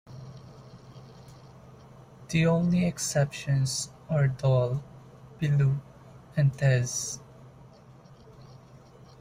The only exceptions are "Dhol", "Billu" and "Tezz".